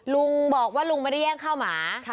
ลุงบอกว่าลุงไม่ได้แย่งข้าวหมา